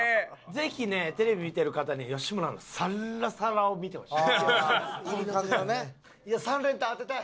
ぜひねテレビ見てる方に吉村のサッラサラを見てほしい。